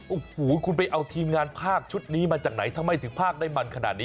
โอ้โหคุณไปเอาทีมงานภาคชุดนี้มาจากไหนทำไมถึงภาคได้มันขนาดนี้